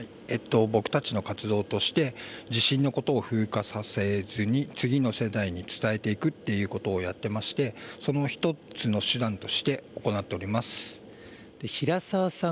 僕たちの活動として、地震のことを風化させずに、次の世代に伝えていくっていうことをやってまして、その１つの手段として行平澤さん